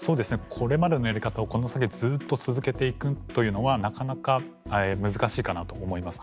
これまでのやり方をこの先ずっと続けていくというのはなかなか難しいかなと思います。